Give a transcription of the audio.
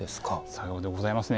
さようでございますね。